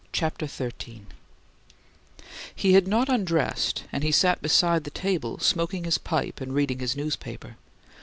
CHAPTER XIII He had not undressed, and he sat beside the table, smoking his pipe and reading his newspaper.